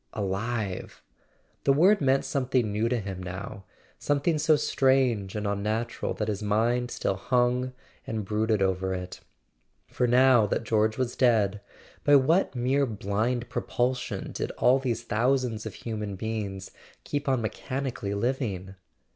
Alive! The word meant something new to him now—something so strange and unnatural that his mind still hung and brooded over it. For now that George was dead, by what mere blind propulsion did all these thousands of human beings keep on mechani¬ cally living